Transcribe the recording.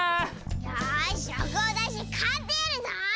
よし６をだしてかってやるぞ！